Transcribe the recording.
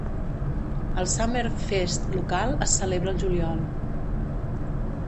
El Summerfest local es celebra el juliol.